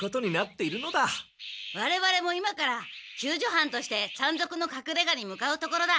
われわれも今から救助班として山賊のかくれがに向かうところだ。